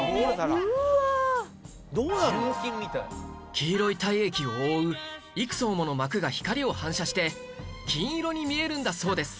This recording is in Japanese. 黄色い体液を覆う幾層もの膜が光を反射して金色に見えるんだそうです